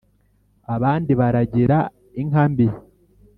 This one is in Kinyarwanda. Abandi baragira inka mbi